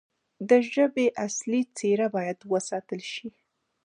د ژبې اصلي څیره باید وساتل شي.